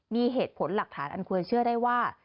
มีเหตุผลหลักฐานอันควรเชื่อได้ว่า